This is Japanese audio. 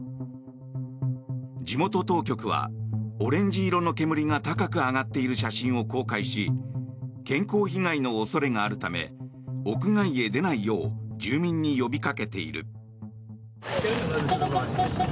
地元当局はオレンジ色の煙が高く上がっている写真を公開し健康被害の恐れがあるため屋外へ出ないよう住民に呼びかけている。